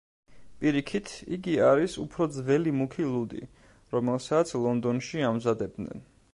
პირიქით, იგი არის უფრო ძველი მუქი ლუდი, რომელსაც ლონდონში ამზადებდნენ.